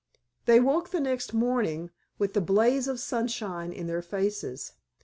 They woke the next morning with the blaze of sunshine in their faces.